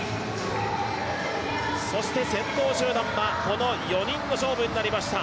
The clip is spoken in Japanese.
そして先頭集団はこの４人の勝負になりました。